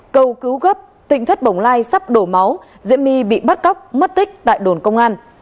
cầu cứu gấp tinh thất bồng lai sắp đổ máu diễm my bị bắt cóc mất tích tại đồn công an